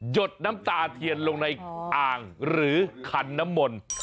ดน้ำตาเทียนลงในอ่างหรือคันน้ำมนต์